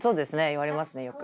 言われますねよく。